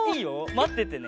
まっててね。